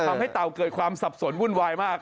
เต่าเกิดความสับสนวุ่นวายมาก